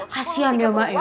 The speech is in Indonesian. kasihan ya mak ya